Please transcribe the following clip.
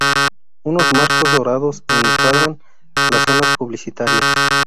Unos marcos dorados encuadran las zonas publicitarias.